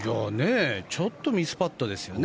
ちょっとミスパットですよね